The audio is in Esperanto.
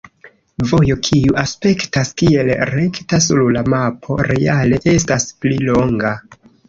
Vojo kiu aspektas kiel rekta sur la mapo reale estas pli longa.